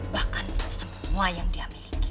bahkan semua yang dia miliki